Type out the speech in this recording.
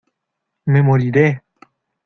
¡ me moriré!...